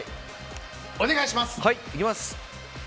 お願いします。